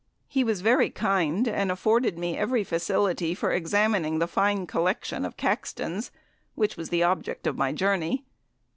He was very kind, and afforded me every facility for examining the fine collection of "Caxtons," which was the object of my journey.